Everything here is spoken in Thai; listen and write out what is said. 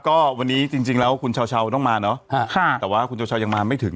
ก็วันนี้จริงแล้วคุณเช้าต้องมาเนอะค่ะแต่ว่าคุณชาวยังมาไม่ถึง